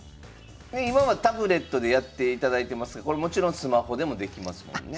今はタブレットでやっていただいてますがこれもちろんスマホでもできますもんね。